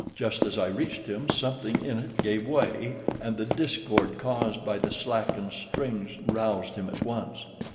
Just as I reached him something in it gave way, and the discord caused by the slackened strings roused him at once.